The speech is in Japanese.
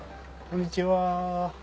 こんにちは。